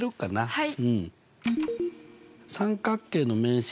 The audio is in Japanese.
はい。